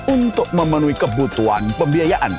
untuk memenuhi kebutuhan pembiayaan